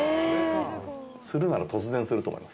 するなら突然すると思います。